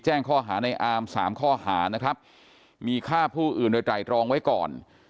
แจ้งข้อหาในอามสามข้อหานะครับมีฆ่าผู้อื่นโดยไตรรองไว้ก่อน